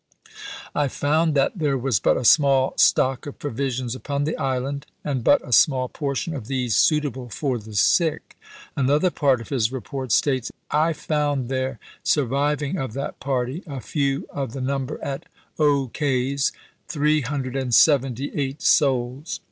I found that there was but a small stock of provisions upon the island, and but a small portion of these suitable for the sick." Another part of his report states :" I found there surviving of that party (a few of the number at Aux Cayes) three hundred and seventy eight souls.